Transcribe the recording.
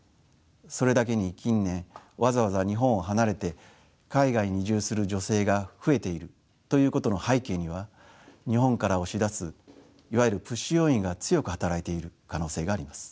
それだけに近年わざわざ日本を離れて海外に移住する女性が増えているということの背景には日本から押し出すいわゆるプッシュ要因が強く働いている可能性があります。